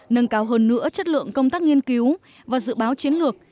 nâng cao hơn nữa chất lượng công tác nghiên cứu và dự báo chiến lược